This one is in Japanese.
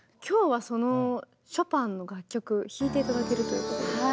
今日はそのショパンの楽曲弾いて頂けるということで。